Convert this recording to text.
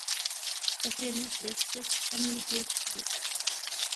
Asirem-is d afessas am yifer n useklu.